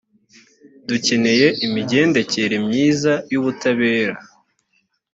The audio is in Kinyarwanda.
dukeneye imigendekere myiza y’ubutabera